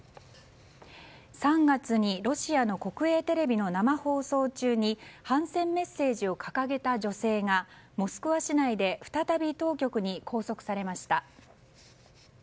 ３月にロシアの国営テレビの生放送中に反戦メッセージを掲げた女性がモスクワ市内で再び当局に拘束されました。